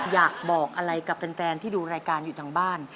อยากบอกอะไรกับแฟนที่ดูรายการอยู่ทางบ้าน